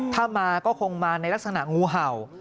ถ้ามาก็คงมาในลักษณะงูเห่า